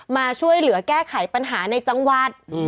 มาช่วยเหลือแก้ไขปัญหาในจังหวัด